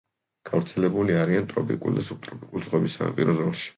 გავრცელებული არიან ტროპიკულ და სუბტროპიკულ ზღვების სანაპირო ზოლში.